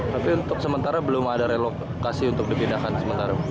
tapi untuk sementara belum ada relokasi untuk dipindahkan sementara